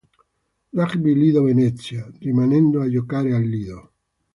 Rugby Lido Venezia", rimanendo a giocare al Lido.